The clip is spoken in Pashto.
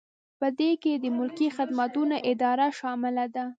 په دې کې د ملکي خدمتونو اداره شامله ده.